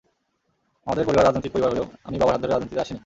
আমাদের পরিবার রাজনৈতিক পরিবার হলেও আমি বাবার হাত ধরে রাজনীতিতে আসিনি।